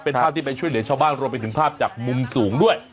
เป็นภาพที่ไปช่วยเหลือชาวบ้านรวมไปถึงภาพจากมุมสูงด้วย